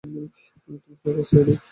তোমার কী অবস্থা, এডি?